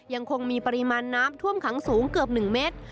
ยังคงมีปริมาณน้ำท่วมขังสูงเกือบ๑เมตร